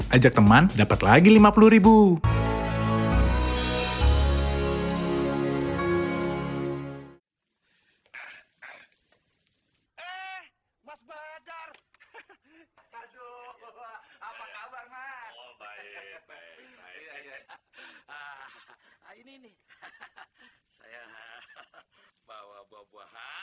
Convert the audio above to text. ajak teman dapet lagi lima puluh ribu